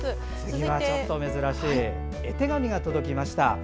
次はちょっと珍しい絵手紙が届きました。